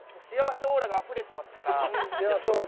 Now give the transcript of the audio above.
幸せオーラがあふれてますから。